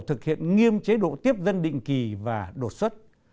thực hiện nghiêm chế độ tiếp dân định kỳ và đột xuất